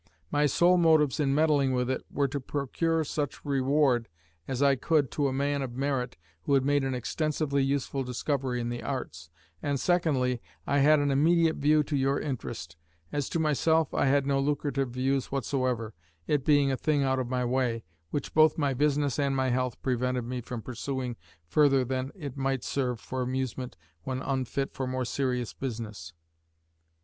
My sole motives in meddling with it were to procure such reward as I could to a man of merit who had made an extensively useful discovery in the arts, and secondly, I had an immediate view to your interest; as to myself, I had no lucrative views whatsoever, it being a thing out of my way, which both my business and my health prevented me from pursuing further than it might serve for amusement when unfit for more serious business.